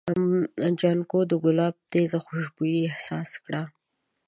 جانکو د ګلاب تېزه خوشبويي احساس کړه.